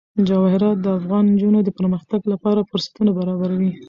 جواهرات د افغان نجونو د پرمختګ لپاره فرصتونه برابروي.